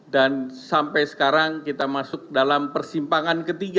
sampai sekarang kita masuk dalam persimpangan ketiga